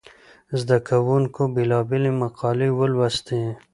زده کوونکو بېلابېلې مقالې ولوستې.